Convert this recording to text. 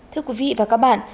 thưa quý vị và các bạn